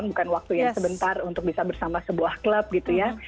bukan waktu yang sebentar untuk bisa bersama sebuah klub gitu ya